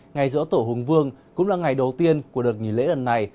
ngày dỗ tổ hùng vương cũng là ngày đầu tiên của đợt nghỉ lễ lần này